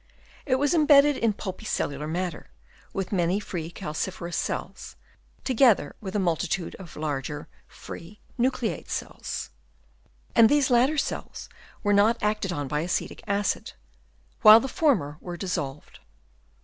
It was imbedded in pulpy cellular matter, with many free calciferous cells, together with a multitude of the larger, free, nucleated cells, and these latter cells were not acted on by acetic acid, while the former were dissolved.